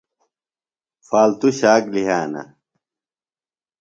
فالتُو شاک لِھیانہ۔